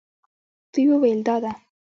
دوی وویل دا ده.